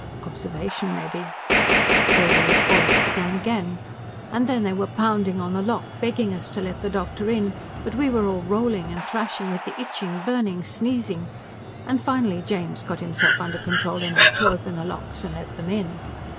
Observation, maybe. Gregory's voice began again, "And then they were pounding on the lock, begging us to let the doctor in, but we were all rolling and thrashing with the itching, burning, sneezing, and finally James got himself under control enough to open the locks and let them in.